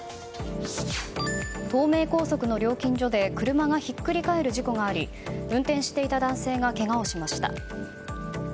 東名高速の料金所で車がひっくり返る事故があり運転していた男性がけがをしました。